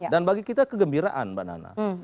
dan bagi kita kegembiraan mbak nana